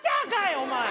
お前。